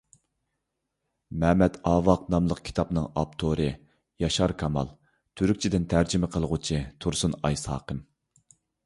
«مەمەت ئاۋاق» ناملىق كىتابنىڭ ئاپتورى: ياشار كامال؛ تۈركچىدىن تەرجىمە قىلغۇچى: تۇرسۇنئاي ساقىم